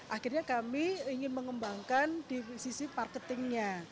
akhirnya kami ingin mengembangkan di sisi marketingnya